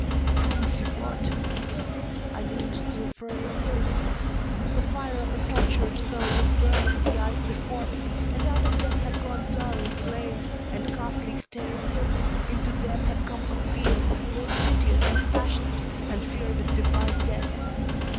"Promise you what?" I leaned still farther over the bed. The fire of a tortured soul was burning in the eyes before me, and out of them had gone dull glaze and ghastly stare; into them had come appeal, both piteous and passionate, and fear that defied death.